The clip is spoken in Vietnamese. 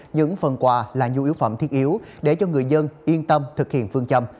những phần quà là nhu yếu phẩm thiết yếu để cho người dân yên tâm thực hiện phương châm